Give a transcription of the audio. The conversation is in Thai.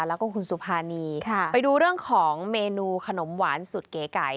แล้วก็คุณสุภานีไปดูเรื่องของเมนูขนมหวานสุดเก๋ไก่